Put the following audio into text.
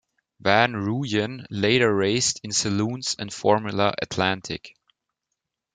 Van Rooyen later raced in saloons and Formula Atlantic.